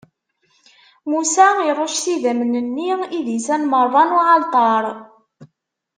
Musa iṛucc s idammen-nni, idisan meṛṛa n uɛalṭar.